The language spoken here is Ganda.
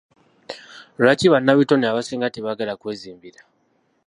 Lwaki bannabitone abasinga tebaagala kwezimbira?